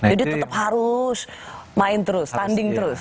jadi tetep harus main terus tanding terus